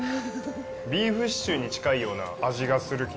ビーフシチューに近いような味がする。